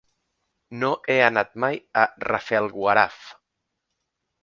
No he anat mai a Rafelguaraf.